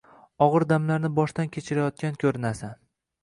Og‘ir damlarni boshdan kechirayotgan ko‘rinasan.